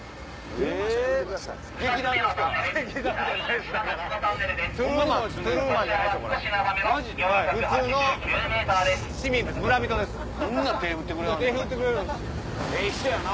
ええ人やな。